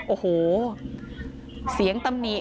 โอ้โหเสียงตำหนิ